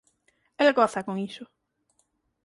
El goza con iso.